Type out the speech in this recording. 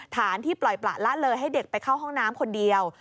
ที่ปล่อยประละเลยให้เด็กไปเข้าห้องน้ำคนเดียว